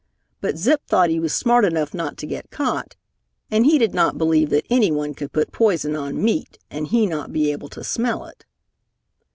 But Zip thought he was smart enough not to get caught, and he did not believe that anyone could put poison on meat and he not be able to smell it.